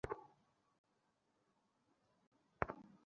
বহুদূর থেকে ভেসে আসা সম্প্রচারটা পরিষ্কার শোনা যেত না, ঘ্যাড়ঘেড়ে আওয়াজ হতো।